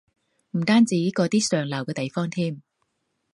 唔單止嗰啲上流地方添